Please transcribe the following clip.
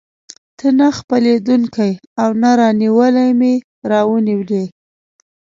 ته نه خپلېدونکی او نه رانیولى مې راونیولې.